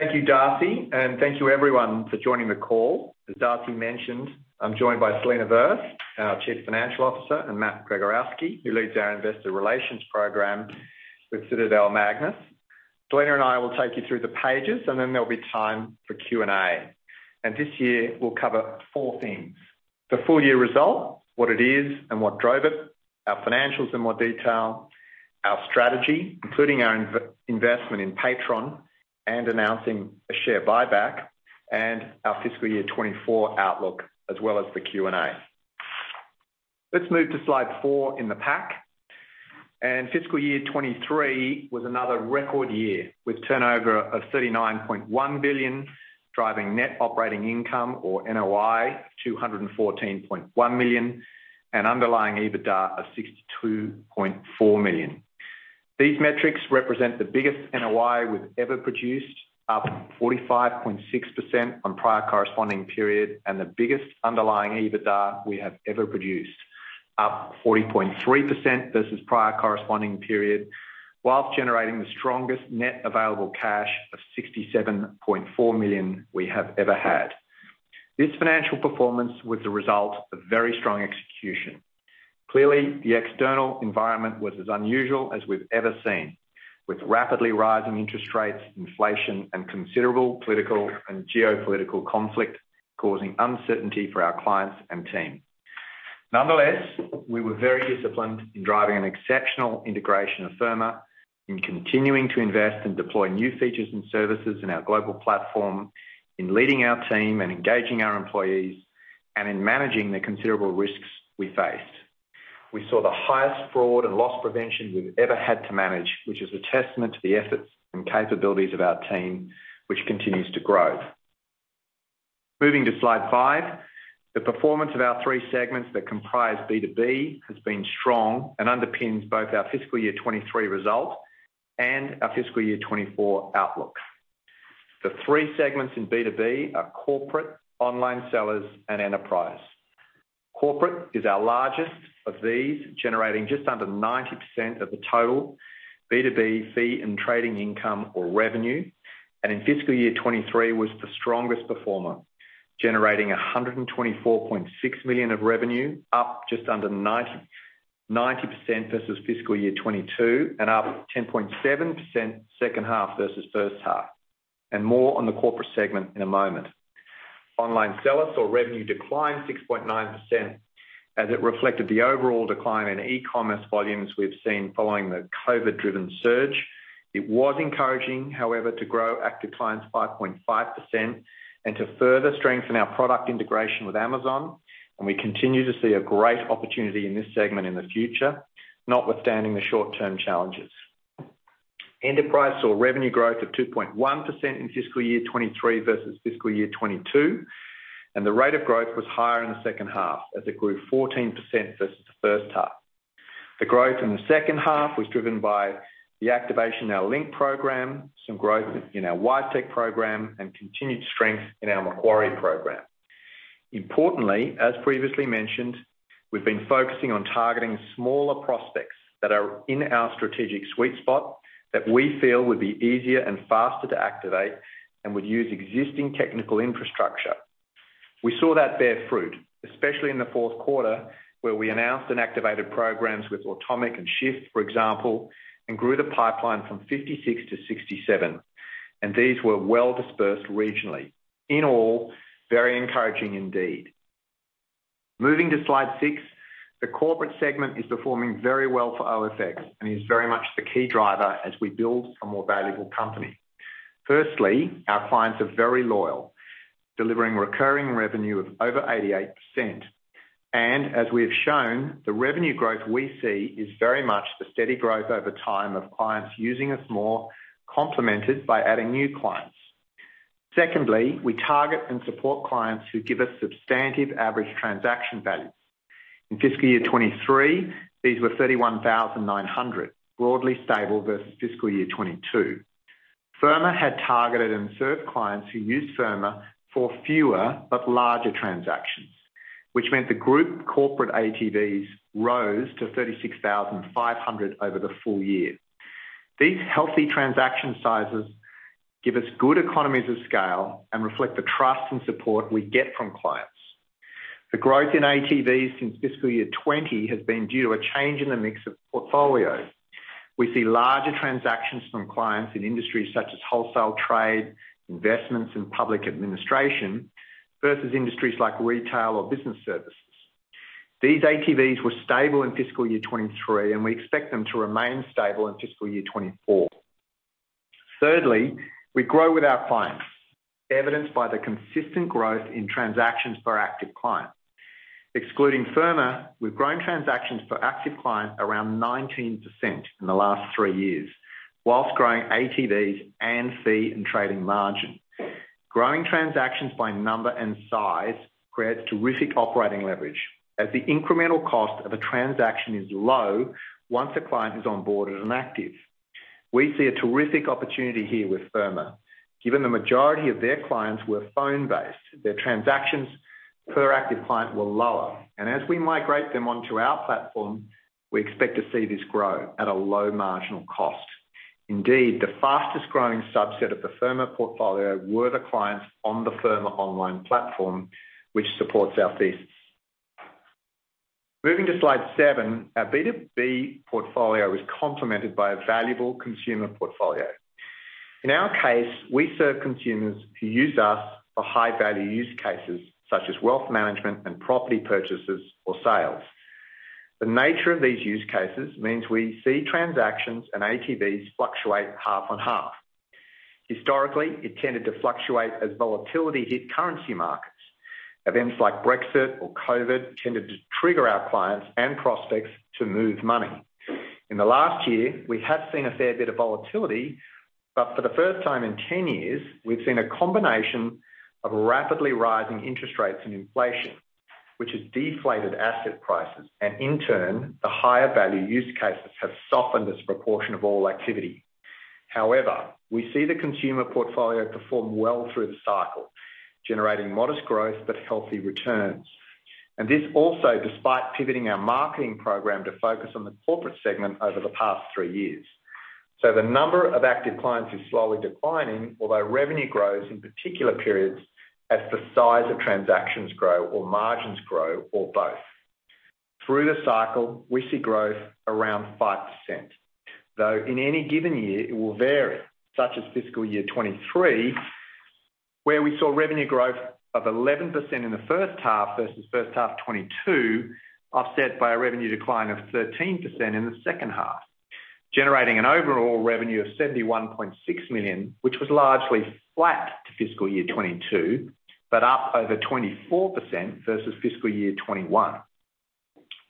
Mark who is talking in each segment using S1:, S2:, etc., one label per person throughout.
S1: Thank you, Darcy. Thank you everyone for joining the call. As Darcy mentioned, I'm joined by Selina Verth, our Chief Financial Officer, and Matthew Gregorowski, who leads our investor relations program with Citadel-MAGNUS. Selena and I will take you through the pages, and then there'll be time for Q&A. This year, we'll cover four things: the full year result, what it is and what drove it, our financials in more detail, our strategy, including our investment in Paytron and announcing a share buyback, and our FY 2024 outlook, as well as the Q&A. Let's move to slide four in the pack. FY 2023 was another record year with turnover of 39.1 billion, driving net operating income or NOI to 114.1 million, and underlying EBITDA of 62.4 million. These metrics represent the biggest NOI we've ever produced, up 45.6% on prior corresponding period, and the biggest underlying EBITDA we have ever produced, up 40.3% versus prior corresponding period, while generating the strongest net available cash of $67.4 million we have ever had. This financial performance was the result of very strong execution. Clearly, the external environment was as unusual as we've ever seen, with rapidly rising interest rates, inflation, and considerable political and geopolitical conflict causing uncertainty for our clients and team. Nonetheless, we were very disciplined in driving an exceptional integration of Firma, in continuing to invest and deploy new features and services in our global platform, in leading our team and engaging our employees, and in managing the considerable risks we faced. We saw the highest fraud and loss prevention we've ever had to manage, which is a testament to the efforts and capabilities of our team, which continues to grow. Moving to slide five. The performance of our three segments that comprise B2B has been strong and underpins both our FY 2023 result and our FY 2024 outlooks. The three segments in B2B are corporate, online sellers, and enterprise. Corporate is our largest of these, generating just under 90% of the total B2B fee and trading income or revenue. In FY 2023 was the strongest performer, generating 124.6 million of revenue, up just under 90% versus FY 2022 and up 10.7% second half versus first half. More on the corporate segment in a moment. Online sellers or revenue declined 6.9% as it reflected the overall decline in e-commerce volumes we've seen following the COVID-driven surge. It was encouraging, however, to grow active clients 5.5% and to further strengthen our product integration with Amazon. We continue to see a great opportunity in this segment in the future, notwithstanding the short-term challenges. Enterprise saw revenue growth of 2.1% in FY 2023 versus FY 2022. The rate of growth was higher in the second half as it grew 14% versus the first half. The growth in the second half was driven by the activation of our Link program, some growth in our WiseTech program, and continued strength in our Macquarie program. Importantly, as previously mentioned, we've been focusing on targeting smaller prospects that are in our strategic sweet spot that we feel would be easier and faster to activate and would use existing technical infrastructure. We saw that bear fruit, especially in the fourth quarter, where we announced and activated programs with Automic and Shift, for example, and grew the pipeline from 56 to 67, and these were well dispersed regionally. In all, very encouraging indeed. Moving to slide six. The corporate segment is performing very well for OFX and is very much the key driver as we build a more valuable company. Firstly, our clients are very loyal, delivering recurring revenue of over 88%. As we have shown, the revenue growth we see is very much the steady growth over time of clients using us more, complemented by adding new clients. Secondly, we target and support clients who give us substantive average transaction values. In FY 2023, these were 31,900, broadly stable versus FY 2022. Firma had targeted and served clients who use Firma for fewer but larger transactions, which meant the group corporate ATVs rose to 36,500 over the full year. These healthy transaction sizes give us good economies of scale and reflect the trust and support we get from clients. The growth in ATVs since FY 2020 has been due to a change in the mix of portfolio. We see larger transactions from clients in industries such as wholesale trade, investments, and public administration versus industries like retail or business services. These ATVs were stable in FY 2023, and we expect them to remain stable in FY 2024. Thirdly, we grow with our clients, evidenced by the consistent growth in transactions per active client. Excluding Firma, we've grown transactions per active client around 19% in the last three years whilst growing ATVs and fee and trading margin. Growing transactions by number and size creates terrific operating leverage as the incremental cost of a transaction is low once a client is onboarded and active. We see a terrific opportunity here with Firma. Given the majority of their clients were phone-based, their transactions per active client were lower. As we migrate them onto our platform, we expect to see this grow at a low marginal cost. Indeed, the fastest-growing subset of the Firma portfolio were the clients on the Firma online platform, which supports our thesis. Moving to slide seven. Our B2B portfolio is complemented by a valuable consumer portfolio. In our case, we serve consumers who use us for high-value use cases such as wealth management and property purchases or sales. The nature of these use cases means we see transactions and ATVs fluctuate half on half. Historically, it tended to fluctuate as volatility hit currency markets. Events like Brexit or COVID tended to trigger our clients and prospects to move money. In the last year, we have seen a fair bit of volatility, but for the first time in 10 years, we've seen a combination of rapidly rising interest rates and inflation, which has deflated asset prices, and in turn, the higher value use cases have softened as proportion of all activity. However, we see the consumer portfolio perform well through the cycle, generating modest growth but healthy returns. This also despite pivoting our marketing program to focus on the corporate segment over the past three years. The number of active clients is slowly declining, although revenue grows in particular periods as the size of transactions grow or margins grow or both. Through the cycle, we see growth around 5%, though in any given year it will vary, such as FY 2023, where we saw revenue growth of 11% in the first half versus first half 2022, offset by a revenue decline of 13% in the second half, generating an overall revenue of 71.6 million, which was largely flat to FY 2022, but up over 24% versus FY 2021.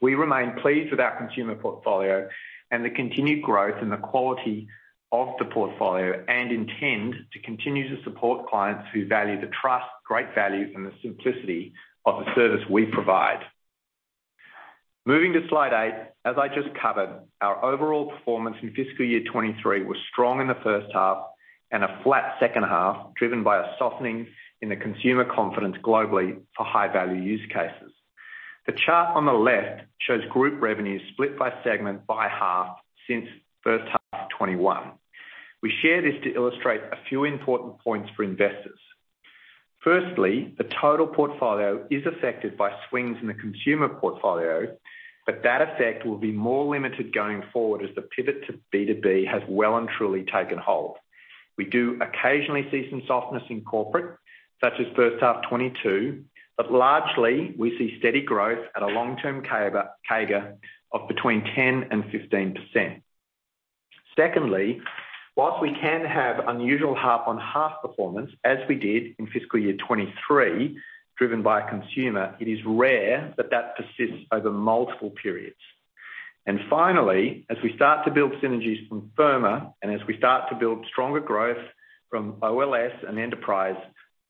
S1: We remain pleased with our consumer portfolio and the continued growth in the quality of the portfolio and intend to continue to support clients who value the trust, great value, and the simplicity of the service we provide. Moving to slide eight. As I just covered, our overall performance in FY 2023 was strong in the first half and a flat second half, driven by a softening in the consumer confidence globally for high-value use cases. The chart on the left shows group revenues split by segment by half since first half 2021. We share this to illustrate a few important points for investors. Firstly, the total portfolio is affected by swings in the consumer portfolio, but that effect will be more limited going forward as the pivot to B2B has well and truly taken hold. We do occasionally see some softness in corporate, such as first half 2022, but largely we see steady growth at a long term CAGR of between 10% and 15%. Secondly, whilst we can have unusual half-on-half performance, as we did in FY 2023 driven by consumer, it is rare that that persists over multiple periods. Finally, as we start to build synergies from Firma, and as we start to build stronger growth from OLS and enterprise,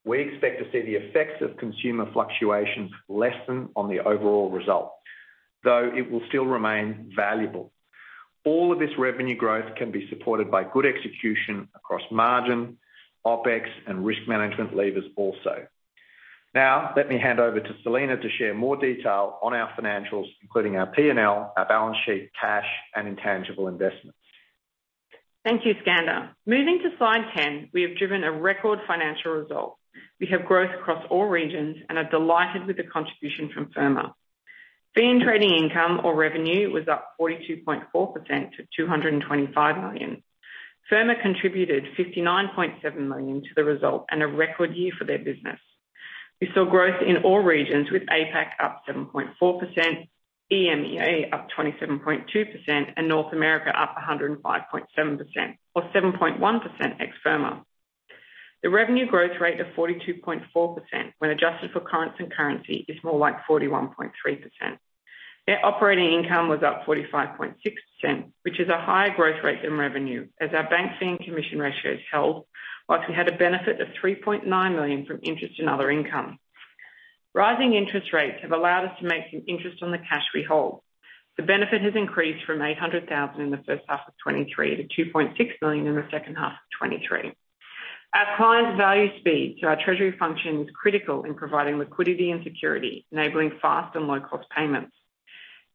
S1: we expect to see the effects of consumer fluctuation lessen on the overall result, though it will still remain valuable. All of this revenue growth can be supported by good execution across margin, OpEx and risk management levers also. Now let me hand over to Selena to share more detail on our financials, including our P&L, our balance sheet, cash and intangible investments.
S2: Thank you. Skander. Moving to slide 10. We have driven a record financial result. We have growth across all regions and are delighted with the contribution from Firma. Fee and trading income or revenue was up 42.4% to 225 million. Firma contributed 59.7 million to the result and a record year for their business. We saw growth in all regions with APAC up 7.4%, EMEA up 27.2% and North America up 105.7% or 7.1% ex Firma. The revenue growth rate of 42.4% when adjusted for currents and currency is more like 41.3%. Net operating income was up 45.6%, which is a higher growth rate than revenue as our bank fee and commission ratios held, while we had a benefit of 3.9 million from interest in other income. Rising interest rates have allowed us to make some interest on the cash we hold. The benefit has increased from 800,000 in the first half of 2023 to 2.6 million in the second half of 2023. Our clients value speed, our treasury function is critical in providing liquidity and security, enabling fast and low-cost payments.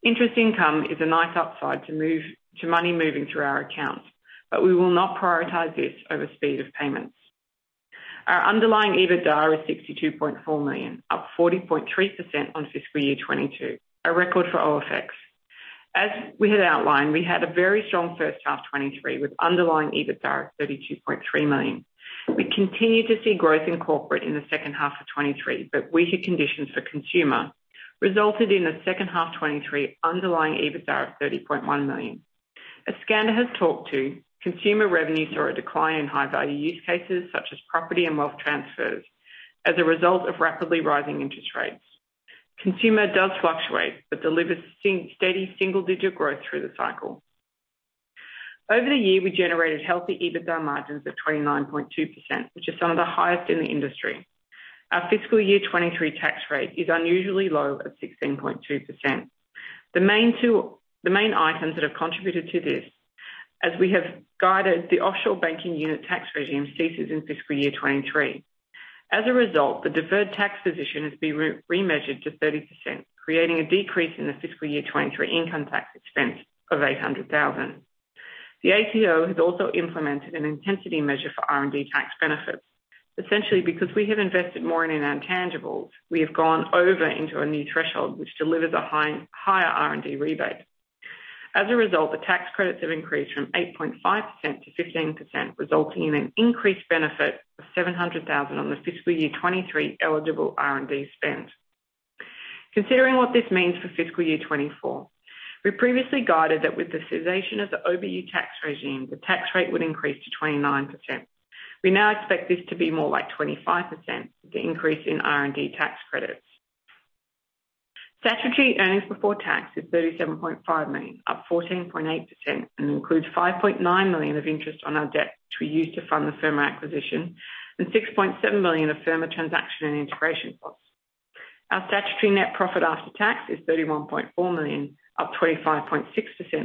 S2: Interest income is a nice upside to money moving through our accounts, we will not prioritize this over speed of payments. Our underlying EBITDA is 62.4 million, up 40.3% on FY 2022. A record for OFX. As we had outlined, we had a very strong first half 2023 with underlying EBITDA of 32.3 million. We continued to see growth in corporate in the second half of 2023, weaker conditions for consumer resulted in the second half 2023 underlying EBITDA of 30.1 million. As Skander has talked to, consumer revenues saw a decline in high-value use cases such as property and wealth transfers as a result of rapidly rising interest rates. Consumer does fluctuate but delivers steady single-digit growth through the cycle. Over the year, we generated healthy EBITDA margins of 29.2%, which is some of the highest in the industry. Our FY 2023 tax rate is unusually low at 16.2%. The main items that have contributed to this, as we have guided, the Offshore Banking Unit tax regime ceases in FY 2023. A result, the deferred tax position has been remeasured to 30%, creating a decrease in the FY 2023 income tax expense of 800,000. The ATO has also implemented an intensity measure for R&D tax benefits. Because we have invested more in intangibles, we have gone over into a new threshold which delivers a higher R&D rebate. A result, the tax credits have increased from 8.5% to 15%, resulting in an increased benefit of 700,000 on the FY 2023 eligible R&D spend. Considering what this means for FY 2024, we previously guided that with the cessation of the OBU tax regime, the tax rate would increase to 29%. We now expect this to be more like 25% with the increase in R&D tax credits. Statutory earnings before tax is 37.5 million, up 14.8%, and includes 5.9 million of interest on our debt, which we used to fund the Firma acquisition, and 6.7 million of Firma transaction and integration costs. Our statutory net profit after tax is 31.4 million, up 25.6%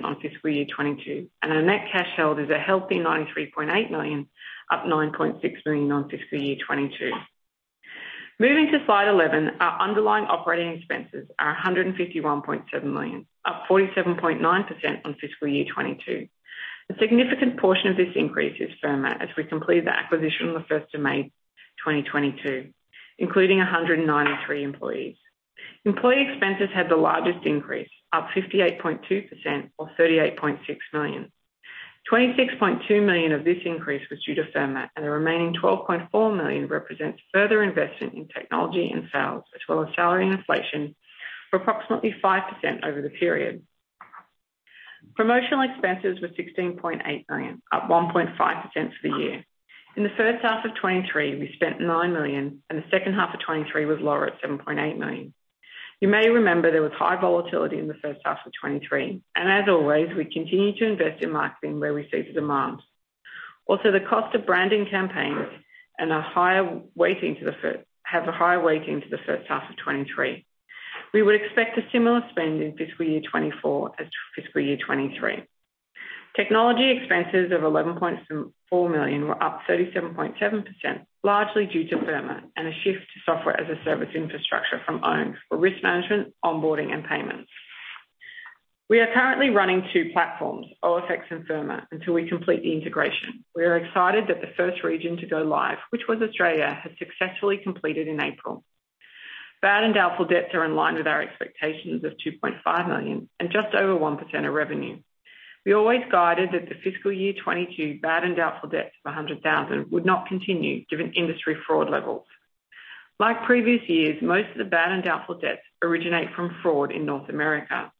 S2: on FY 2022, and our net cash held is a healthy 93.8 million, up 9.6 million on FY 2022. Moving to slide 11, our underlying operating expenses are 151.7 million, up 47.9% on FY 2022. A significant portion of this increase is Firma as we complete the acquisition on the 1st of May 2022, including 193 employees. Employee expenses had the largest increase, up 58.2% or 38.6 million. 26.2 million of this increase was due to Firma, the remaining 12.4 million represents further investment in technology and sales, as well as salary and inflation for approximately 5% over the period. Promotional expenses were 16.8 million, up 1.5% for the year. In the first half of 2023, we spent 9 million, the second half of 2023 was lower at 7.8 million. You may remember there was high volatility in the first half of 2023, as always, we continue to invest in marketing where we see the demands. The cost of branding campaigns and a higher weighting to the first half of 2023. We would expect a similar spend in FY 2024 as FY 2023. Technology expenses of 11.4 million were up 37.7%, largely due to Firma and a shift to software as a service infrastructure from owned for risk management, onboarding and payments. We are currently running two platforms, OFX and Firma, until we complete the integration. We are excited that the first region to go live, which was Australia, has successfully completed in April. Bad and doubtful debts are in line with our expectations of 2.5 million and just over 1% of revenue. We always guided that the FY 2022 bad and doubtful debts of 100,000 would not continue given industry fraud levels. Like previous years, most of the bad and doubtful debts originate from fraud in North America.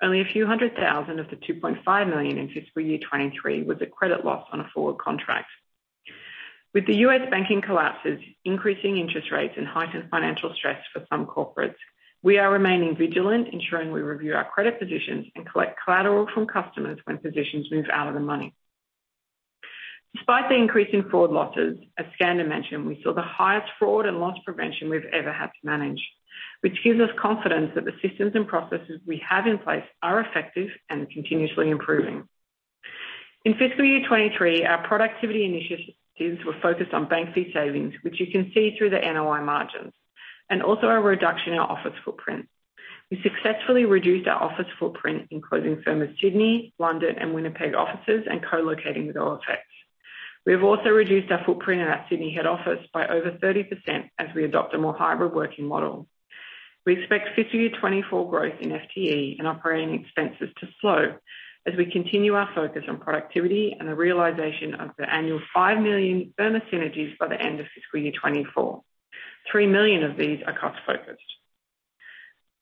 S2: Only a few hundred thousand of the 2.5 million in FY 2023 was a credit loss on a forward contract. With the U.S. banking collapses, increasing interest rates and heightened financial stress for some corporates, we are remaining vigilant, ensuring we review our credit positions and collect collateral from customers when positions move out of the money. Despite the increase in fraud losses, as Skander mentioned, we saw the highest fraud and loss prevention we've ever had to manage, which gives us confidence that the systems and processes we have in place are effective and continuously improving. In FY 2023, our productivity initiatives were focused on bank fee savings, which you can see through the NOI margins, and also our reduction in our office footprint. We successfully reduced our office footprint in closing Firma's Sydney, London and Winnipeg offices and co-locating with OFX. We have also reduced our footprint at our Sydney head office by over 30% as we adopt a more hybrid working model. We expect FY 2024 growth in FTE and operating expenses to slow as we continue our focus on productivity and the realization of the annual 5 million Firma synergies by the end of FY 2024. 3 million of these are cost focused.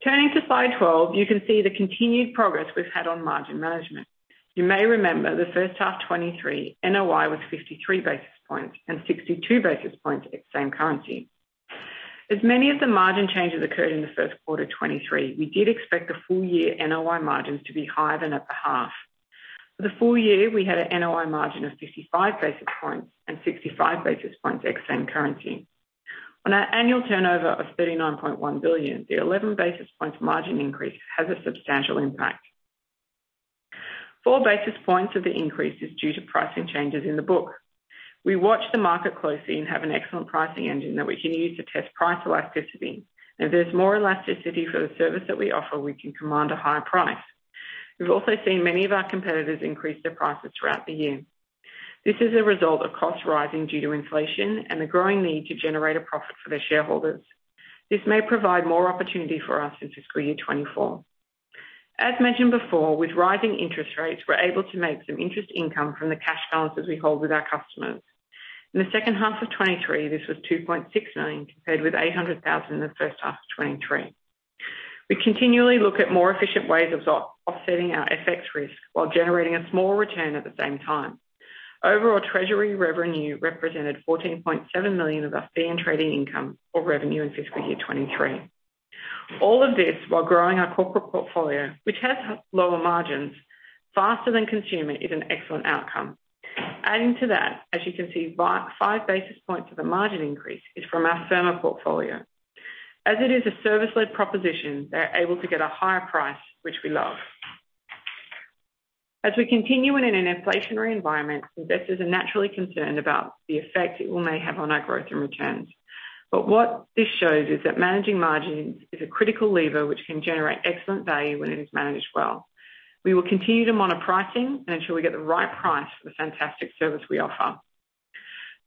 S2: Turning to slide 12, you can see the continued progress we've had on margin management. You may remember the first half 2023, NOI was 53 basis points and 62 basis points at same currency. As many of the margin changes occurred in the first quarter 2023, we did expect the full year NOI margins to be higher than at the half. For the full year, we had an NOI margin of 55 basis points and 65 basis points ex same currency. On our annual turnover of 39.1 billion, the 11 basis points margin increase has a substantial impact. Four basis points of the increase is due to pricing changes in the book. We watch the market closely and have an excellent pricing engine that we can use to test price elasticity. If there's more elasticity for the service that we offer, we can command a higher price. We've also seen many of our competitors increase their prices throughout the year. This is a result of costs rising due to inflation and the growing need to generate a profit for their shareholders. This may provide more opportunity for us in FY 2024. As mentioned before, with rising interest rates, we're able to make some interest income from the cash balances we hold with our customers. In the second half of 2023, this was 2.6 million compared with 800,000 in the first half of 2023. We continually look at more efficient ways of offsetting our FX risk while generating a small return at the same time. Overall, Treasury revenue represented 14.7 million of our fee and trading income or revenue in FY 2023. All of this while growing our corporate portfolio, which has lower margins, faster than consumer is an excellent outcome. Adding to that, as you can see, five basis points of the margin increase is from our Firma portfolio. It is a service-led proposition, they're able to get a higher price, which we love. As we continue in an inflationary environment, investors are naturally concerned about the effect it may have on our growth and returns. What this shows is that managing margins is a critical lever which can generate excellent value when it is managed well. We will continue to monitor pricing, ensure we get the right price for the fantastic service we offer.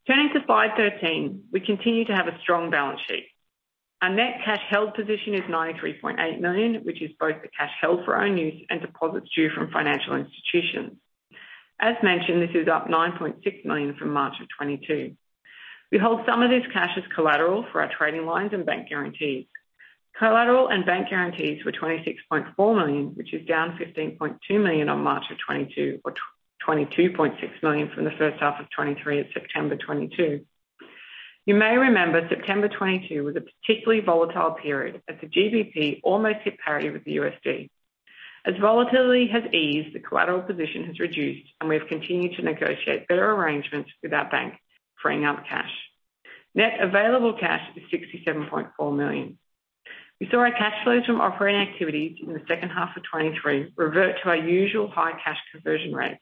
S2: Turning to slide 13, we continue to have a strong balance sheet. Our net cash held position is 93.8 million, which is both the cash held for own use and deposits due from financial institutions. As mentioned, this is up 9.6 million from March of 2022. We hold some of this cash as collateral for our trading lines and bank guarantees. Collateral and bank guarantees were 26.4 million, which is down 15.2 million on March 2022 or 22.6 million from the first half of 2023 at September 2022. You may remember September 2022 was a particularly volatile period as the GBP almost hit parity with the USD. As volatility has eased, the collateral position has reduced, we've continued to negotiate better arrangements with our bank, freeing up cash. Net available cash is 67.4 million. We saw our cash flows from operating activities in the second half of 2023 revert to our usual high cash conversion rates,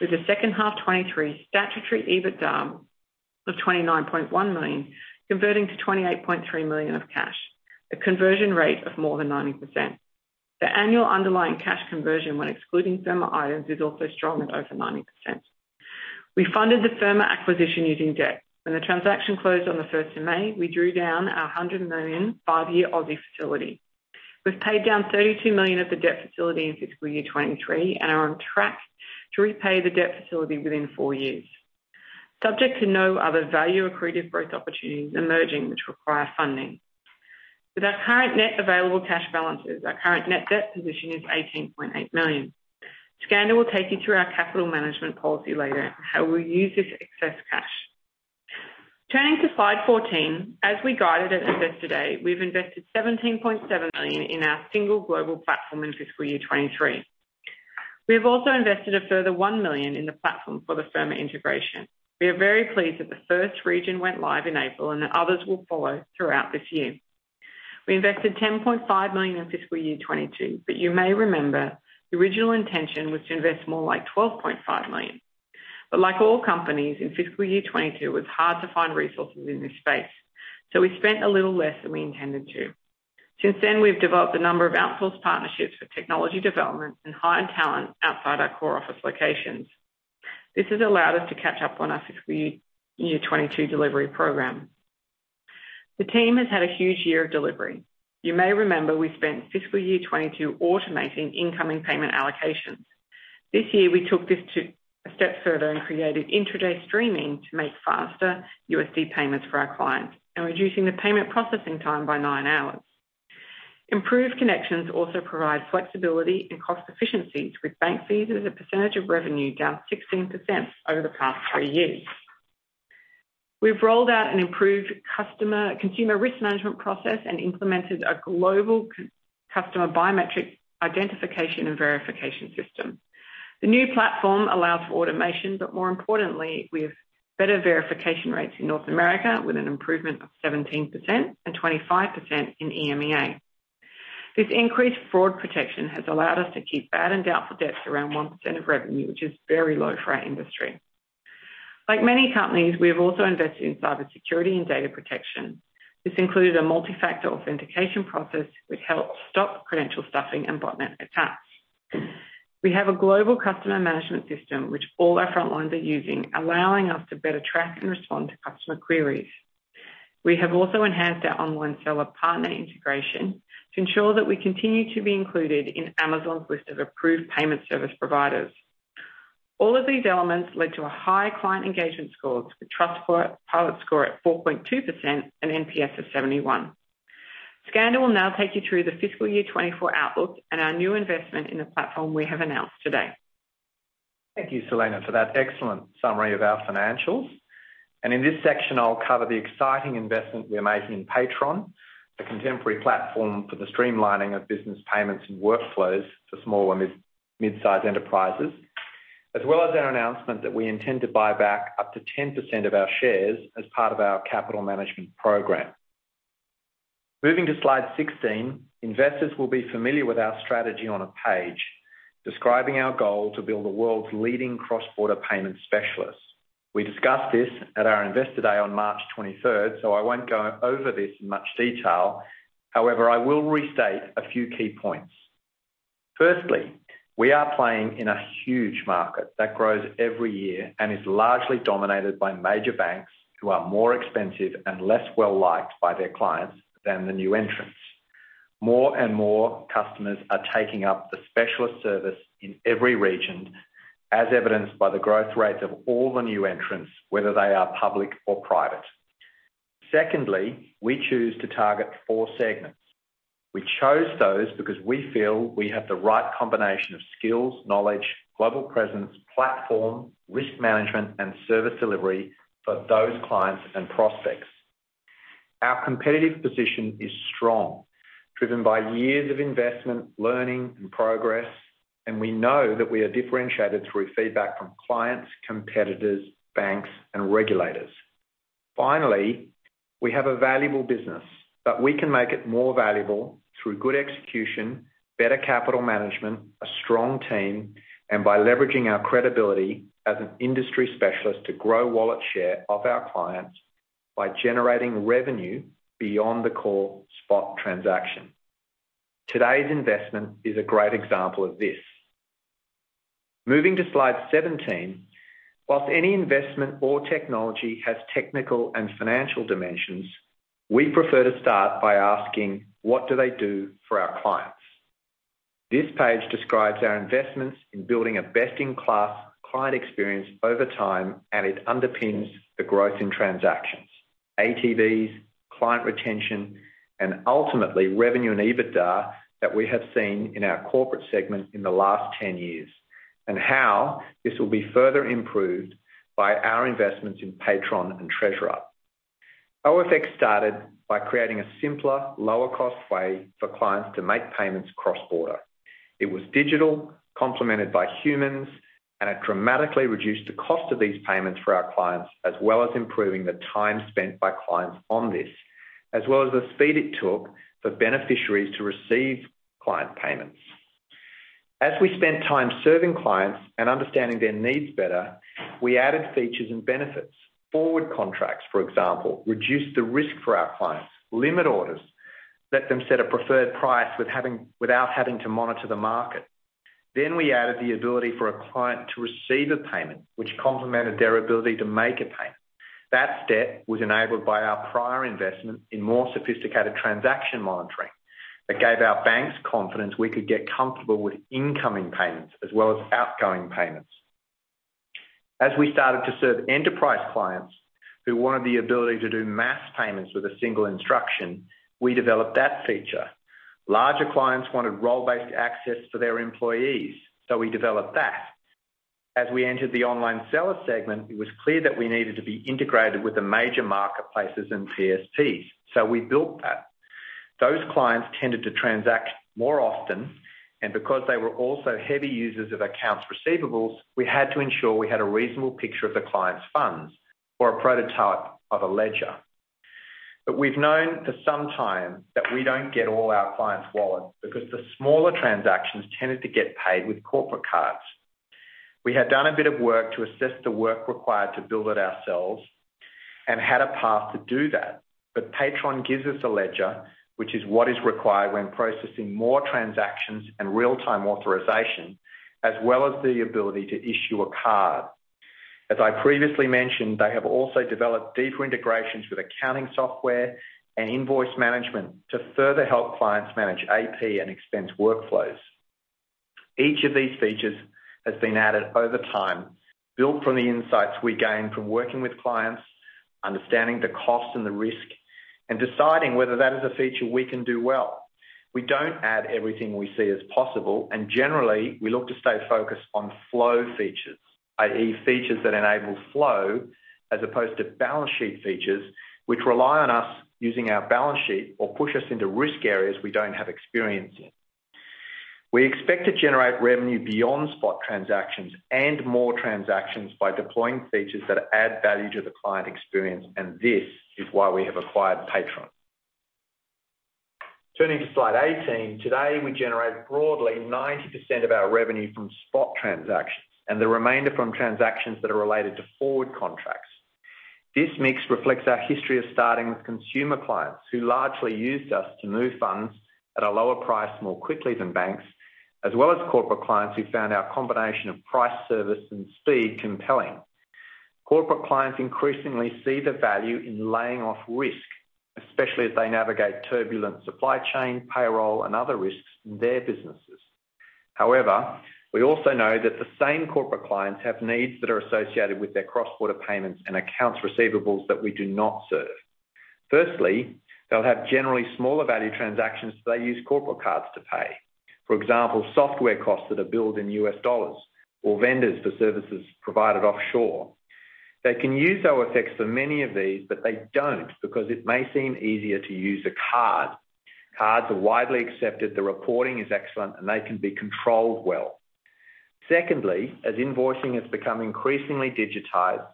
S2: with the second half 2023 statutory EBITDA of 29.1 million converting to 28.3 million of cash, a conversion rate of more than 90%. The annual underlying cash conversion when excluding Firma items is also strong at over 90%. We funded the Firma acquisition using debt. When the transaction closed on the first of May, we drew down our 100 million five-year facility. We've paid down 32 million of the debt facility in FY 2023 and are on track to repay the debt facility within four years, subject to no other value accretive growth opportunities emerging which require funding. With our current net available cash balances, our current net debt position is 18.8 million. Skander will take you through our capital management policy later, how we'll use this excess cash. Turning to slide 14, as we guided at Investor Day, we've invested 17.7 million in our single global platform in FY 2023. We have also invested a further 1 million in the platform for the Firma integration. We are very pleased that the first region went live in April and that others will follow throughout this year. We invested 10.5 million in FY 2022. You may remember the original intention was to invest more like 12.5 million. Like all companies, in FY 2022, it was hard to find resources in this space, so we spent a little less than we intended to. Since then, we've developed a number of outsourced partnerships for technology development and hired talent outside our core office locations. This has allowed us to catch up on our FY 2022 delivery program. The team has had a huge year of delivery. You may remember we spent FY 2022 automating incoming payment allocations. This year, we took this to a step further and created intraday streaming to make faster USD payments for our clients and reducing the payment processing time by nine hours. Improved connections also provide flexibility and cost efficiencies with bank fees as a percentage of revenue down 16% over the past three years. We've rolled out an improved consumer risk management process and implemented a global customer biometric identification and verification system. The new platform allows for automation, but more importantly, with better verification rates in North America, with an improvement of 17% and 25% in EMEA. This increased fraud protection has allowed us to keep bad and doubtful debts around 1% of revenue, which is very low for our industry. Like many companies, we have also invested in cybersecurity and data protection. This included a multi-factor authentication process which helps stop credential stuffing and botnet attacks. We have a global customer management system which all our frontlines are using, allowing us to better track and respond to customer queries. We have also enhanced our online seller partner integration to ensure that we continue to be included in Amazon's list of approved payment service providers. All of these elements led to a high client engagement scores with Trustpilot score at 4.2% and NPS of 71. Skander will now take you through the FY 2024 outlook and our new investment in the platform we have announced today.
S1: Thank you, Selena, for that excellent summary of our financials. In this section, I'll cover the exciting investment we are making in Paytron, a contemporary platform for the streamlining of business payments and workflows for small and mid-size enterprises, as well as an announcement that we intend to buy back up to 10% of our shares as part of our capital management program. Moving to slide 16, investors will be familiar with our strategy on a page describing our goal to build the world's leading cross-border payment specialist. We discussed this at our Investor Day on March 23rd, so I won't go over this in much detail. I will restate a few key points. Firstly, we are playing in a huge market that grows every year and is largely dominated by major banks who are more expensive and less well-liked by their clients than the new entrants. More and more customers are taking up the specialist service in every region, as evidenced by the growth rates of all the new entrants, whether they are public or private. Secondly, we choose to target four segments. We chose those because we feel we have the right combination of skills, knowledge, global presence, platform, risk management, and service delivery for those clients and prospects. Our competitive position is strong, driven by years of investment, learning and progress, and we know that we are differentiated through feedback from clients, competitors, banks and regulators. Finally, we have a valuable business, but we can make it more valuable through good execution, better capital management, a strong team, and by leveraging our credibility as an industry specialist to grow wallet share of our clients by generating revenue beyond the core spot transaction. Today's investment is a great example of this. Moving to slide 17. Whilst any investment or technology has technical and financial dimensions, we prefer to start by asking, what do they do for our clients? This page describes our investments in building a best-in-class client experience over time, and it underpins the growth in transactions, ATVs, client retention, and ultimately revenue and EBITDA that we have seen in our corporate segment in the last 10 years, and how this will be further improved by our investments in Paytron and Travelex. OFX started by creating a simpler, lower cost way for clients to make payments cross-border. It was digital, complemented by humans, and it dramatically reduced the cost of these payments for our clients, as well as improving the time spent by clients on this, as well as the speed it took for beneficiaries to receive client payments. As we spent time serving clients and understanding their needs better, we added features and benefits. Forward contracts, for example, reduced the risk for our clients. Limit orders let them set a preferred price without having to monitor the market. We added the ability for a client to receive a payment, which complemented their ability to make a payment. That step was enabled by our prior investment in more sophisticated transaction monitoring that gave our banks confidence we could get comfortable with incoming payments as well as outgoing payments. As we started to serve enterprise clients who wanted the ability to do mass payments with a single instruction, we developed that feature. Larger clients wanted role-based access for their employees, so we developed that. As we entered the online seller segment, it was clear that we needed to be integrated with the major marketplaces and PSPs, so we built that. Those clients tended to transact more often, and because they were also heavy users of accounts receivables, we had to ensure we had a reasonable picture of the client's funds or a prototype of a ledger. We've known for some time that we don't get all our clients' wallets because the smaller transactions tended to get paid with corporate cards. We had done a bit of work to assess the work required to build it ourselves and had a path to do that. Paytron gives us a ledger, which is what is required when processing more transactions and real-time authorization, as well as the ability to issue a card. As I previously mentioned, they have also developed deeper integrations with accounting software and invoice management to further help clients manage AP and expense workflows. Each of these features has been added over time, built from the insights we gain from working with clients, understanding the cost and the risk, and deciding whether that is a feature we can do well. We don't add everything we see as possible, and generally we look to stay focused on flow features, i.e. features that enable flow as opposed to balance sheet features which rely on us using our balance sheet or push us into risk areas we don't have experience in. We expect to generate revenue beyond spot transactions and more transactions by deploying features that add value to the client experience. This is why we have acquired Paytron. Turning to slide 18. Today we generate broadly 90% of our revenue from spot transactions and the remainder from transactions that are related to forward contracts. This mix reflects our history of starting with consumer clients who largely used us to move funds at a lower price more quickly than banks, as well as corporate clients who found our combination of price, service and speed compelling. Corporate clients increasingly see the value in laying off risk, especially as they navigate turbulent supply chain, payroll and other risks in their businesses. However, we also know that the same corporate clients have needs that are associated with their cross-border payments and accounts receivables that we do not serve. Firstly, they'll have generally smaller value transactions, so they use corporate cards to pay. For example, software costs that are billed in US dollars or vendors for services provided offshore. They can use OFX for many of these, but they don't because it may seem easier to use a card. Cards are widely accepted, the reporting is excellent, and they can be controlled well. Secondly, as invoicing has become increasingly digitized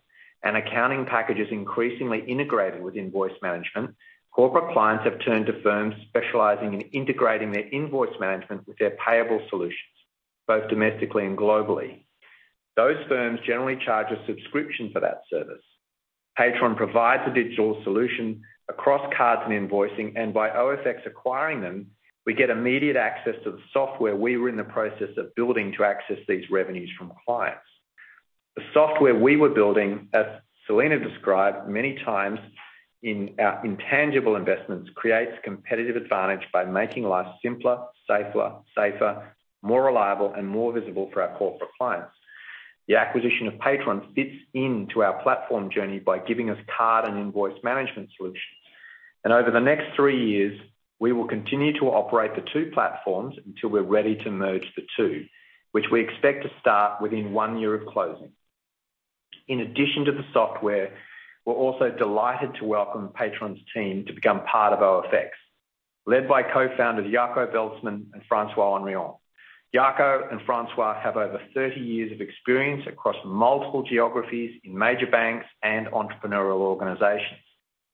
S1: and accounting packages increasingly integrated with invoice management, corporate clients have turned to firms specializing in integrating their invoice management with their payable solutions, both domestically and globally. Those firms generally charge a subscription for that service. Paytron provides a digital solution across cards and invoicing, and by OFX acquiring them, we get immediate access to the software we were in the process of building to access these revenues from clients. The software we were building, as Selena described many times in our intangible investments, creates competitive advantage by making life simpler, safer, more reliable and more visible for our corporate clients. The acquisition of Paytron fits into our platform journey by giving us card and invoice management solutions. Over the next three years, we will continue to operate the two platforms until we're ready to merge the two, which we expect to start within one year of closing. In addition to the software, we're also delighted to welcome Paytron's team to become part of OFX. Led by co-founders Jaco Veldsman and François Henrion. Jaco and François have over 30 years of experience across multiple geographies in major banks and entrepreneurial organizations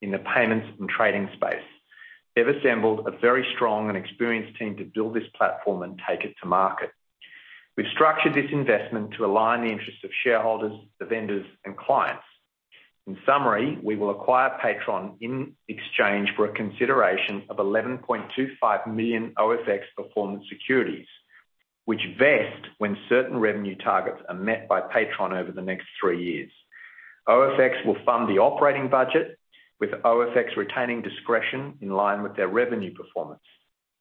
S1: in the payments and trading space. They've assembled a very strong and experienced team to build this platform and take it to market. We've structured this investment to align the interests of shareholders, the vendors, and clients. In summary, we will acquire Paytron in exchange for a consideration of 11.25 million OFX performance securities, which vest when certain revenue targets are met by Paytron over the next three years. OFX will fund the operating budget, with OFX retaining discretion in line with their revenue performance.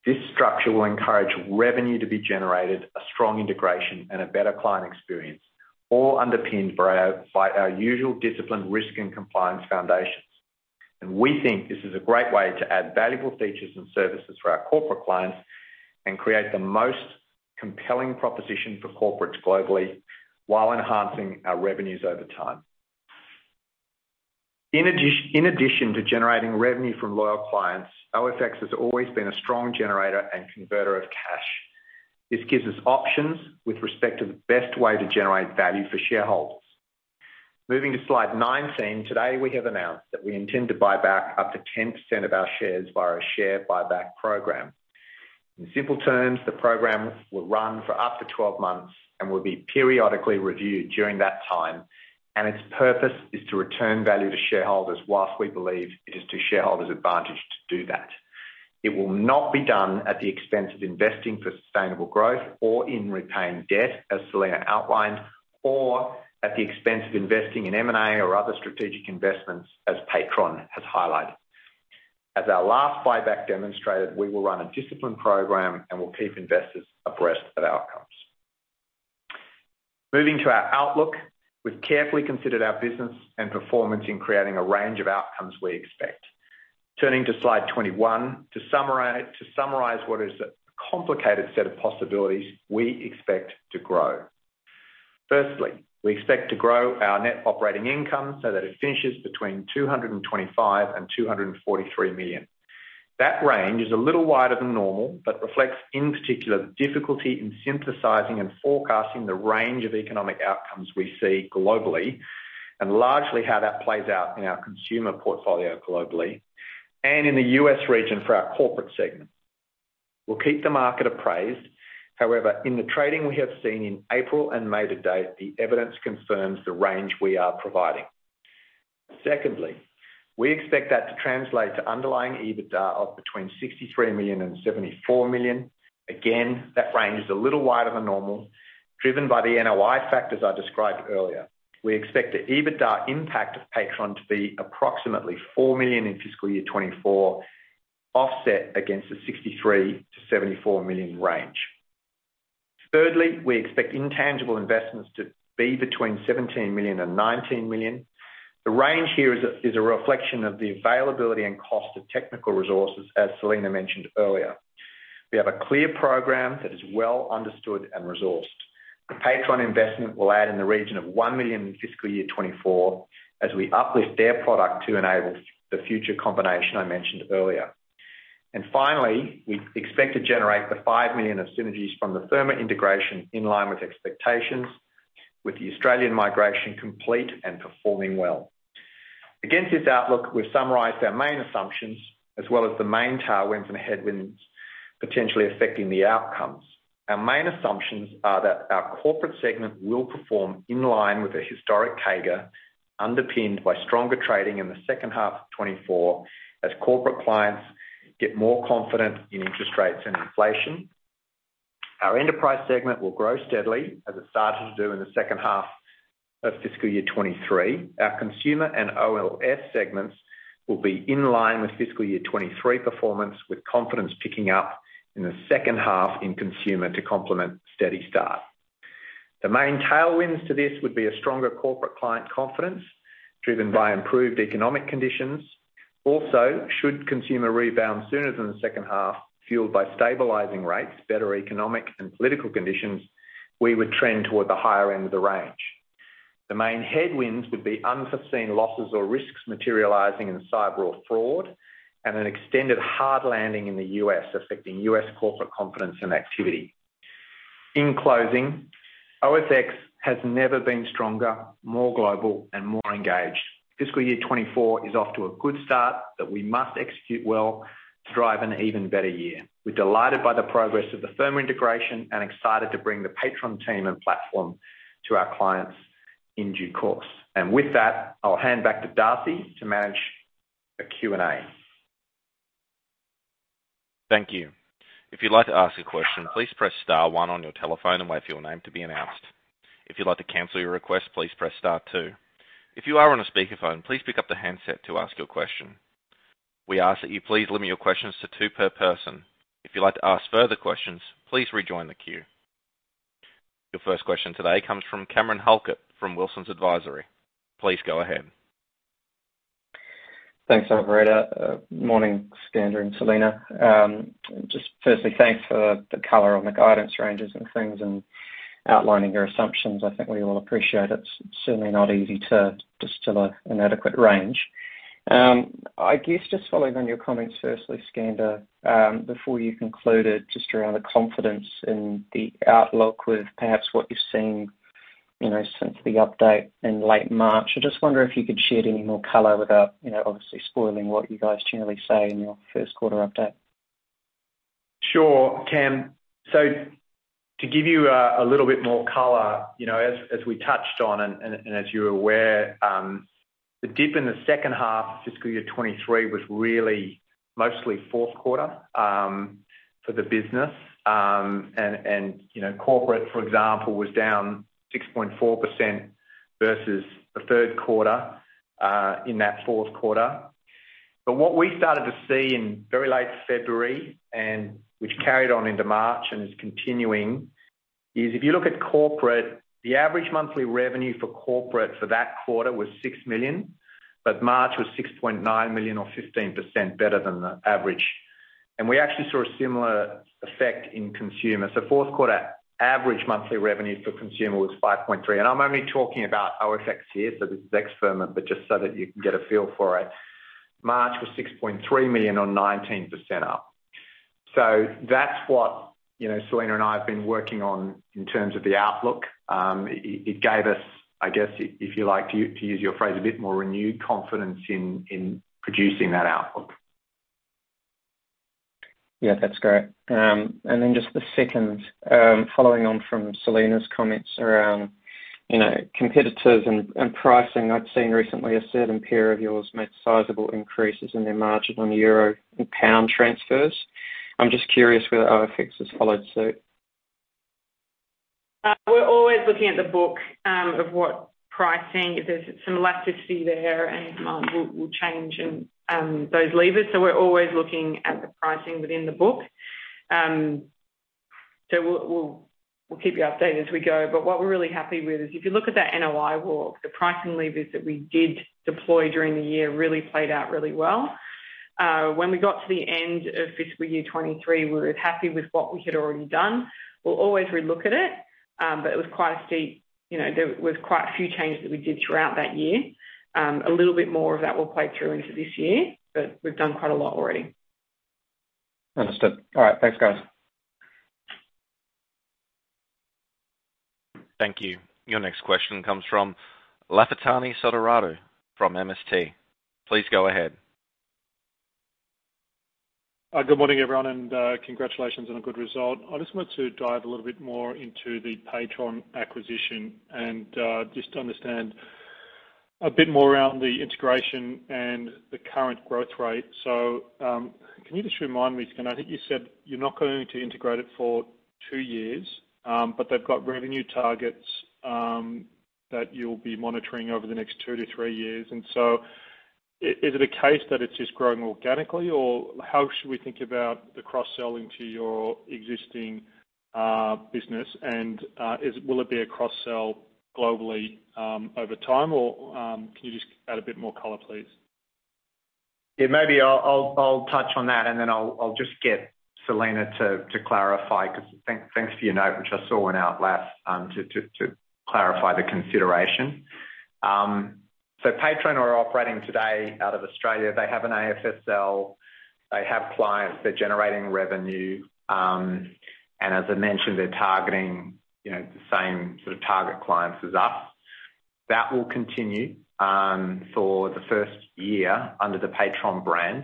S1: This structure will encourage revenue to be generated, a strong integration, and a better client experience, all underpinned by our usual discipline, risk, and compliance foundations. We think this is a great way to add valuable features and services for our corporate clients and create the most compelling proposition for corporates globally while enhancing our revenues over time. In addition to generating revenue from loyal clients, OFX has always been a strong generator and converter of cash. This gives us options with respect to the best way to generate value for shareholders. Moving to slide 19, today, we have announced that we intend to buy back up to 10% of our shares via our share buyback program. In simple terms, the program will run for up to 12 months and will be periodically reviewed during that time. Its purpose is to return value to shareholders whilst we believe it is to shareholders' advantage to do that. It will not be done at the expense of investing for sustainable growth or in repaying debt, as Selena outlined, or at the expense of investing in M&A or other strategic investments, as Paytron has highlighted. As our last buyback demonstrated, we will run a disciplined program. We'll keep investors abreast of outcomes. Moving to our outlook. We've carefully considered our business and performance in creating a range of outcomes we expect. Turning to slide 21, to summarize what is a complicated set of possibilities we expect to grow. Firstly, we expect to grow our net operating income so that it finishes between 225 million and 243 million. That range is a little wider than normal, but reflects, in particular, the difficulty in synthesizing and forecasting the range of economic outcomes we see globally, and largely how that plays out in our consumer portfolio globally and in the U.S. region for our corporate segment. We'll keep the market appraised. However, in the trading we have seen in April and May to date, the evidence confirms the range we are providing. Secondly, we expect that to translate to underlying EBITDA of between 63 million and 74 million. That range is a little wider than normal, driven by the NOI factors I described earlier. We expect the EBITDA impact of Paytron to be approximately 4 million in FY 2024, offset against the 63 million-74 million range. We expect intangible investments to be between 17 million and 19 million. The range here is a reflection of the availability and cost of technical resources, as Selena mentioned earlier. We have a clear program that is well understood and resourced. The Paytron investment will add in the region of 1 million in FY 2024 as we uplift their product to enable the future combination I mentioned earlier. Finally, we expect to generate the 5 million of synergies from the Firma integration in line with expectations, with the Australian migration complete and performing well. Against this outlook, we've summarized our main assumptions, as well as the main tailwinds and headwinds potentially affecting the outcomes. Our main assumptions are that our corporate segment will perform in line with the historic CAGR, underpinned by stronger trading in the second half of 2024 as corporate clients get more confident in interest rates and inflation. Our enterprise segment will grow steadily as it started to do in the second half of FY 2023. Our consumer and OLS segments will be in line with FY 2023 performance, with confidence picking up in the second half in consumer to complement steady start. The main tailwinds to this would be a stronger corporate client confidence driven by improved economic conditions. Should consumer rebound sooner than the second half, fueled by stabilizing rates, better economic and political conditions, we would trend toward the higher end of the range. The main headwinds would be unforeseen losses or risks materializing in cyber or fraud, and an extended hard landing in the U.S,, affecting U.S. corporate confidence and activity. In closing, OFX has never been stronger, more global, and more engaged. FY 2024 is off to a good start that we must execute well to drive an even better year. We're delighted by the progress of the Firma integration and excited to bring the Paytron team and platform to our clients in due course. With that, I'll hand back to Darcy to manage the Q&A.
S3: Thank you. If you'd like to ask a question, please press star one on your telephone and wait for your name to be announced. If you'd like to cancel your request, please press star two. If you are on a speakerphone, please pick up the handset to ask your question. We ask that you please limit your questions to two per person. If you'd like to ask further questions, please rejoin the queue. Your first question today comes from Cameron Halkett from Wilsons Advisory. Please go ahead.
S4: Thanks, Loretta. Morning, Skander and Selena. Just firstly, thanks for the color on the guidance ranges and things and outlining your assumptions. I think we all appreciate it. It's certainly not easy to distill an adequate range. I guess just following on your comments firstly, Skander, before you concluded just around the confidence in the outlook with perhaps what you've seen, you know, since the update in late March. I just wonder if you could shed any more color without, you know, obviously spoiling what you guys generally say in your first quarter update.
S1: Sure. Cam. To give you a little bit more color, you know, as we touched on and as you're aware, the dip in the second half FY 2023 was really mostly fourth quarter for the business. You know, corporate, for example, was down 6.4% versus the third quarter in that fourth quarter. What we started to see in very late February and which carried on into March and is continuing is if you look at corporate, the average monthly revenue for corporate for that quarter was 6 million, but March was 6.9 million or 15% better than the average. We actually saw a similar effect in consumer. Fourth quarter average monthly revenue for consumer was 5.3 million, and I'm only talking about OFX here, so this is ex-Firma. Just so that you can get a feel for it, March was 6.3 million on 19% up. That's what, you know, Selena and I have been working on in terms of the outlook. It gave us, I guess, if you like, to use your phrase, a bit more renewed confidence in producing that outlook.
S4: Yeah, that's great. Just the second, following on from Selena's comments around, you know, competitors and pricing. I'd seen recently a certain peer of yours made sizable increases in their margin on euro and pound transfers. I'm just curious whether OFX has followed suit.
S2: We're always looking at the book of what pricing, if there's some elasticity there and margin will change and those levers. We're always looking at the pricing within the book. We'll keep you updated as we go. What we're really happy with is if you look at that NOI walk, the pricing levers that we did deploy during the year really played out really well. When we got to the end of FY 2023, we were happy with what we had already done. We'll always relook at it was quite a steep, you know, there was quite a few changes that we did throughout that year. A little bit more of that will play through into this year, but we've done quite a lot already.
S4: Understood. All right. Thanks, guys.
S3: Thank you. Your next question comes from Lafitani Sotiriou from MST. Please go ahead.
S5: Good morning, everyone, and congratulations on a good result. I just wanted to dive a little bit more into the Paytron acquisition and just to understand a bit more around the integration and the current growth rate. Can you just remind me, Skander, I think you said you're not going to integrate it for two years, but they've got revenue targets that you'll be monitoring over the next 2 to 3 years. Is it a case that it's just growing organically, or how should we think about the cross-sell into your existing business? Will it be a cross-sell globally over time? Can you just add a bit more color, please?
S1: Maybe I'll touch on that, then I'll just get Selena to clarify, because thanks for your note, which I saw went out last to clarify the consideration. Paytron are operating today out of Australia. They have an AFSL. They have clients. They're generating revenue. As I mentioned, they're targeting, you know, the same sort of target clients as us. That will continue for the first year under the Paytron brand.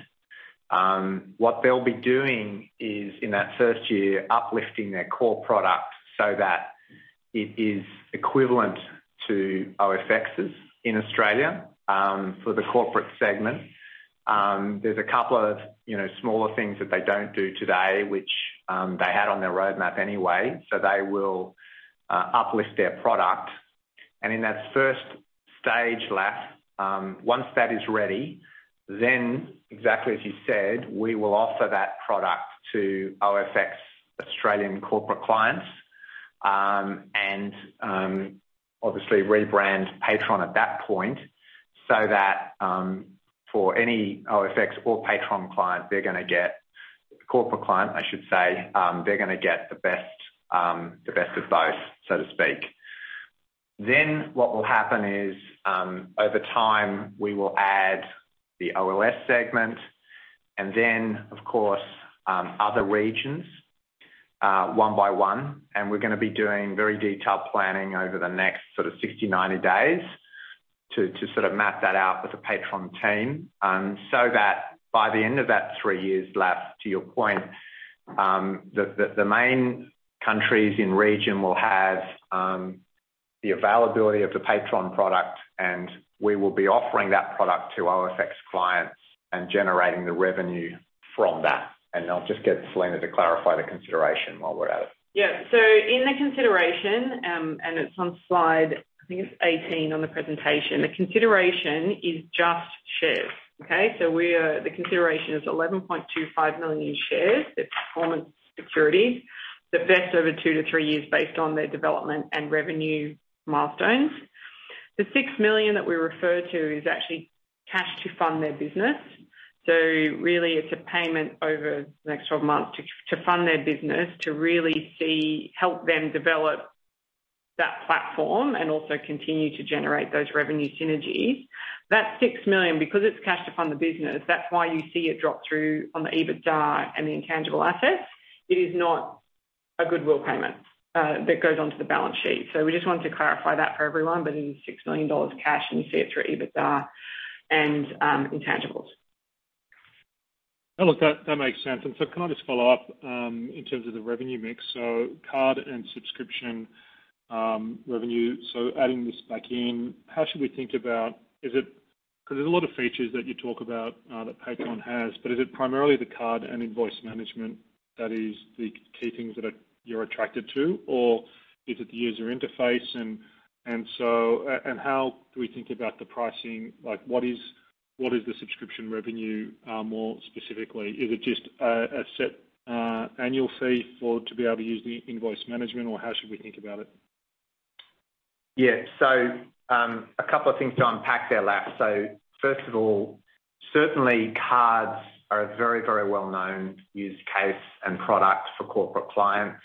S1: What they'll be doing is, in that first year, uplifting their core product so that it is equivalent to OFX's in Australia for the corporate segment. There's a couple of, you know, smaller things that they don't do today which they had on their roadmap anyway. They will uplift their product. In that first stage, Laf, once that is ready, exactly as you said, we will offer that product to OFX Australian corporate clients, and obviously rebrand Paytron at that point so that for any OFX or Paytron client, corporate client, I should say, they're gonna get the best, the best of both, so to speak. What will happen is, over time, we will add the OLS segment and then, of course, other regions, one by one. We're gonna be doing very detailed planning over the next sort of 60-90 days to sort of map that out with the Paytron team, so that by the end of that three years, Laf, to your point, the main countries in region will have the availability of the Paytron product, and we will be offering that product to OFX clients and generating the revenue from that. I'll just get Selena to clarify the consideration while we're at it.
S2: In the consideration, and it's on slide, I think it's 18 on the presentation, the consideration is just shares. Okay. The consideration is 11.25 million shares. It's performance securities. The best over 2-3 years based on their development and revenue milestones. The 6 million that we refer to is actually cash to fund their business. Really it's a payment over the next 12 months to fund their business to really help them develop that platform and also continue to generate those revenue synergies. That 6 million, because it's cash to fund the business, that's why you see it drop through on the EBITDA and the intangible assets. It is not a goodwill payment that goes onto the balance sheet. We just want to clarify that for everyone. It is 6 million dollars cash, and you see it through EBITDA and, intangibles.
S5: Hello, that makes sense. Can I just follow up in terms of the revenue mix, card and subscription revenue. Adding this back in, how should we think about? Is it 'cause there's a lot of features that you talk about that Paytron has, but is it primarily the card and invoice management that is the key things that you're attracted to? Or is it the user interface? How do we think about the pricing? Like what is the subscription revenue more specifically? Is it just a set annual fee to be able to use the invoice management or how should we think about it?
S1: A couple of things to unpack there, Laf. First of all, certainly cards are a very, very well-known use case and product for corporate clients.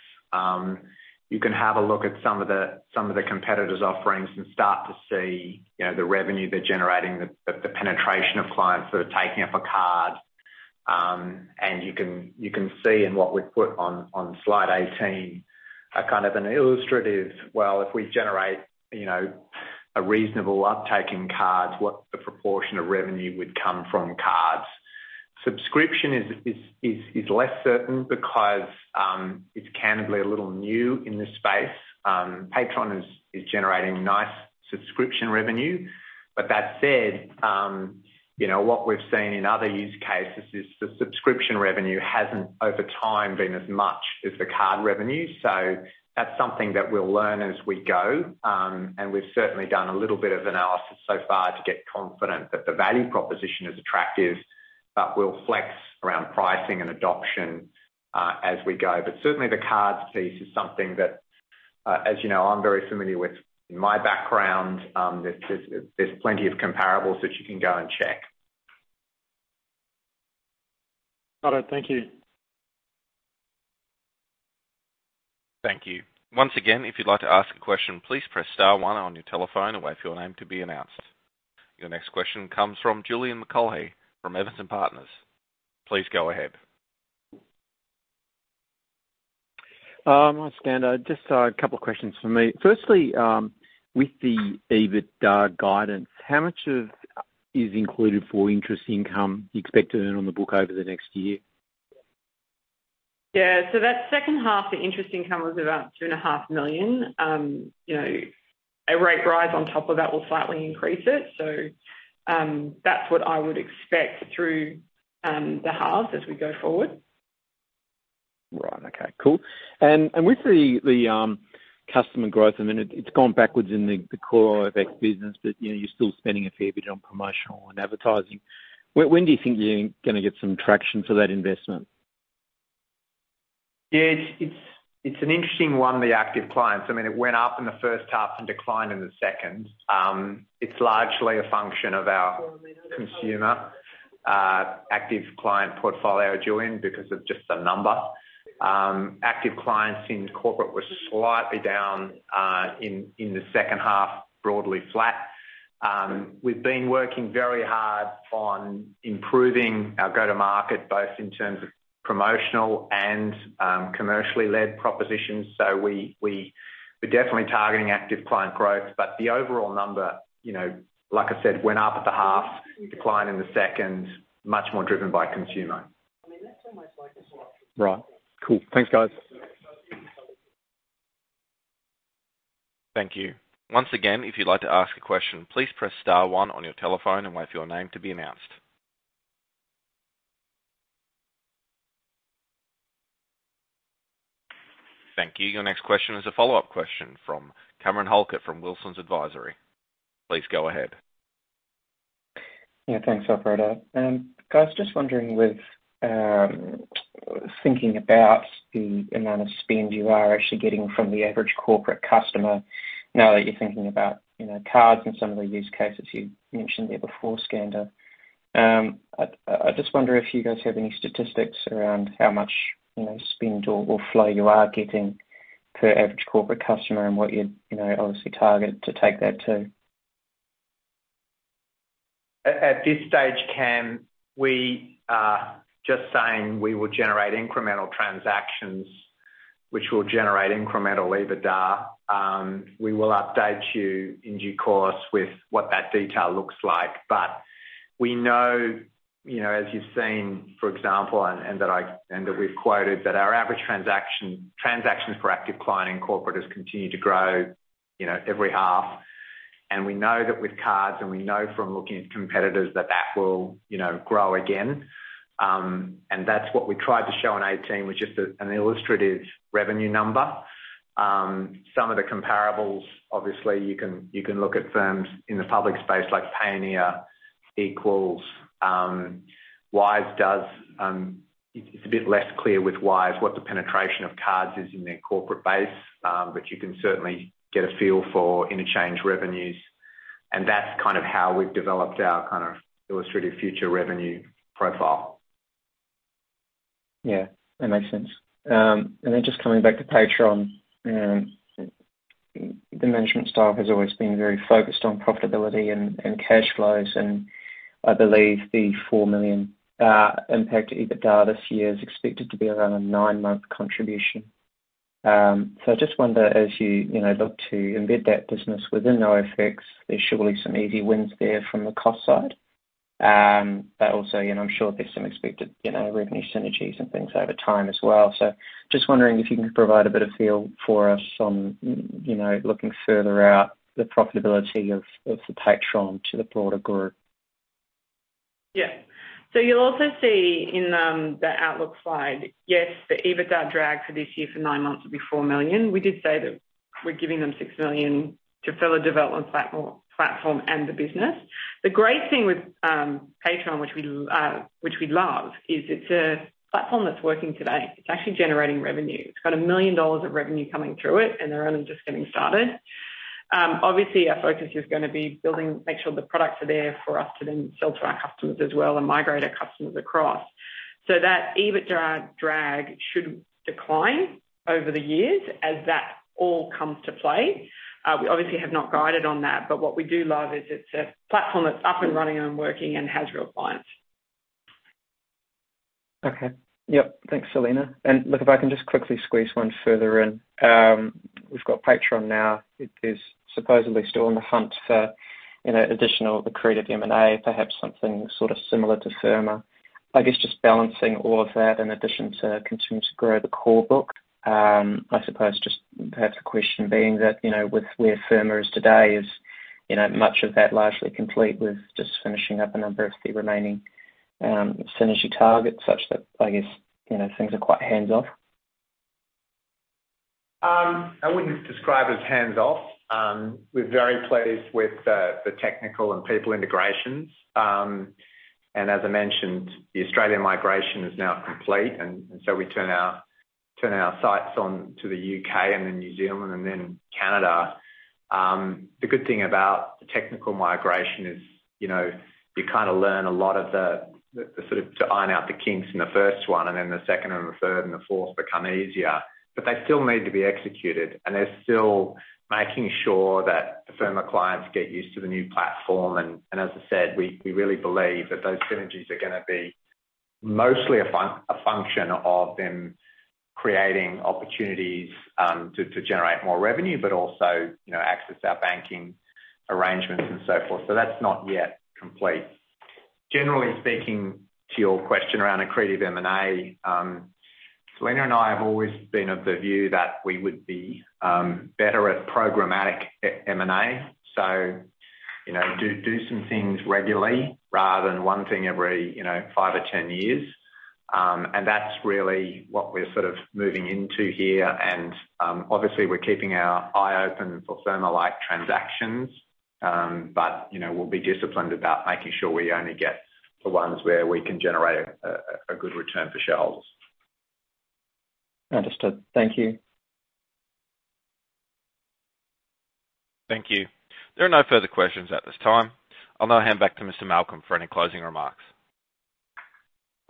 S1: You can have a look at some of the competitors' offerings and start to see, you know, the revenue they're generating, the penetration of clients that are taking up a card. And you can see in what we've put on slide 18, a kind of an illustrative, well, if we generate, you know, a reasonable uptake in cards, what the proportion of revenue would come from cards. Subscription is less certain because it's candidly a little new in this space. Paytron is generating nice subscription revenue. That said, you know, what we've seen in other use cases is the subscription revenue hasn't over time been as much as the card revenue. That's something that we'll learn as we go. We've certainly done a little bit of analysis so far to get confident that the value proposition is attractive, but we'll flex around pricing and adoption, as we go. Certainly the cards piece is something that, as you know, I'm very familiar with in my background. There's plenty of comparables that you can go and check.
S5: Got it. Thank you.
S3: Thank you. Once again, if you'd like to ask a question, please press star one on your telephone and wait for your name to be announced. Your next question comes from Olivier Coulon from E&P Financial Group. Please go ahead.
S6: Hi, Skander. Just a couple of questions from me. Firstly, with the EBITDA guidance, how much of is included for interest income you expect to earn on the book over the next year?
S2: Yeah. That second half, the interest income was about 2.5 million. You know, a rate rise on top of that will slightly increase it. That's what I would expect through the halves as we go forward.
S6: Right. Okay, cool. With the customer growth, I mean, it's gone backwards in the core OFX business, but, you know, you're still spending a fair bit on promotional and advertising. When do you think you're gonna get some traction for that investment?
S1: Yeah. It's an interesting one, the active clients. I mean, it went up in the first half and declined in the second. It's largely a function of our consumer active client portfolio, Julian, because of just the number. Active clients in corporate were slightly down in the second half, broadly flat. We've been working very hard on improving our go-to-market, both in terms of promotional and commercially led propositions. We're definitely targeting active client growth. The overall number, you know, like I said, went up at the half, declined in the second, much more driven by consumer.
S6: Right. Cool. Thanks, guys.
S3: Thank you. Once again, if you'd like to ask a question, please press star one on your telephone and wait for your name to be announced. Thank you. Your next question is a follow-up question from Cameron Halkett from Wilson Advisory. Please go ahead.
S4: Thanks, Operator. Guys, just wondering with, thinking about the amount of spend you are actually getting from the average corporate customer now that you're thinking about, you know, cards and some of the use cases you mentioned there before, Skander. I just wonder if you guys have any statistics around how much, you know, spend or flow you are getting per average corporate customer and what you'd, you know, obviously target to take that to.
S1: At this stage, Cam, we are just saying we will generate incremental transactions which will generate incremental EBITDA. We will update you in due course with what that detail looks like. We know, you know, as you've seen, for example, and that we've quoted, that our average transactions for active client and corporate has continued to grow, you know, every half. We know that with cards and we know from looking at competitors that that will, you know, grow again. That's what we tried to show on 18, was just a, an illustrative revenue number. Some of the comparables, obviously, you can, you can look at firms in the public space like Payoneer, Equals, Wise does. It's a bit less clear with Wise what the penetration of cards is in their corporate base, but you can certainly get a feel for interchange revenues. That's kind of how we've developed our kind of illustrative future revenue profile.
S4: Yeah, that makes sense. Just coming back to Paytron, the management style has always been very focused on profitability and cash flows. I believe the 4 million impact EBITDA this year is expected to be around a nine-month contribution. I just wonder, as you know, look to embed that business within OFX, there's surely some easy wins there from the cost side. Also, you know, I'm sure there's some expected, you know, revenue synergies and things over time as well. Just wondering if you can provide a bit of feel for us on, you know, looking further out the profitability of the Paytron to the broader group?
S2: You'll also see in the outlook slide, yes, the EBITDA drag for this year for nine months will be 4 million. We did say that we're giving them 6 million to further develop the platform and the business. The great thing with Paytron, which we love, is it's a platform that's working today. It's actually generating revenue. It's got 1 million dollars of revenue coming through it, and they're only just getting started. Obviously our focus is gonna be building, make sure the products are there for us to then sell to our customers as well and migrate our customers across. That EBITDA drag should decline over the years as that all comes to play. We obviously have not guided on that, but what we do love is it's a platform that's up and running and working and has real clients.
S4: Okay. Yep. Thanks, Selena. Look, if I can just quickly squeeze one further in. We've got Paytron now. It is supposedly still on the hunt for, you know, additional accretive M&A, perhaps something sort of similar to Firma. I guess just balancing all of that in addition to continuing to grow the core book, I suppose just perhaps the question being that, you know, with where Firma is today is, you know, much of that largely complete with just finishing up a number of the remaining synergy targets such that, I guess, you know, things are quite hands-off.
S1: I wouldn't describe it as hands-off. We're very pleased with the technical and people integrations. As I mentioned, the Australian migration is now complete, and so we turn our sights on to the U.K. and then New Zealand and then Canada. The good thing about the technical migration is, you know, you kind of learn a lot of the sort of to iron out the kinks in the first one, and then the second and the third and the fourth become easier. They still need to be executed, and they're still making sure that the Firma clients get used to the new platform. as I said, we really believe that those synergies are going to be mostly a function of them creating opportunities, to generate more revenue, but also, you know, access our banking arrangements and so forth. That's not yet complete. Generally speaking to your question around accretive M&A, Selena and I have always been of the view that we would be better at programmatic M&A. you know, do some things regularly rather than one thing every, you know, five or 10 years. that's really what we're sort of moving into here. obviously we're keeping our eye open for Firma-like transactions, but, you know, we'll be disciplined about making sure we only get the ones where we can generate a good return for shareholders.
S4: Understood. Thank you.
S3: Thank you. There are no further questions at this time. I'll now hand back to Skander Malcolm for any closing remarks.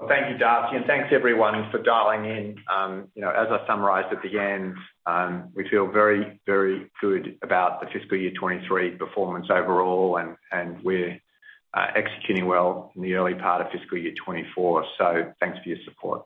S1: Thank you, Darcy. Thanks everyone for dialing in. You know, as I summarized at the end, we feel very good about the FY 2023 performance overall, and we're executing well in the early part of FY 2024. Thanks for your support.